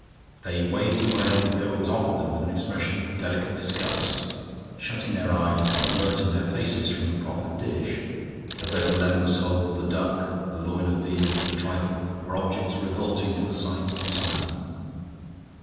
They waved away whatever was offered them with an expression of delicate disgust, shutting their eyes and averting their faces from the proffered dish, as though the lemon sole, the duck, the loin of veal, the trifle, were objects revolting to the sight and smell.